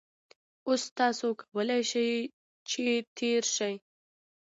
اوس تاسو کولای شئ چې تېر شئ